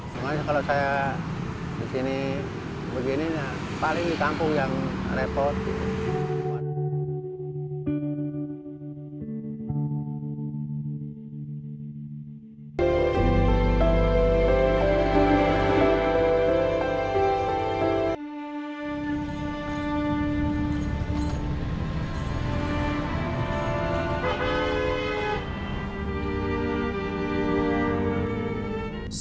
makanya kalau saya di sini begini ya paling di kampung yang repot gitu